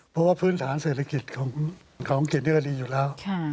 เพราะว่าพื้นฐานเศรษฐกิจของอังกฤษนี่ก็ดีอยู่แล้ว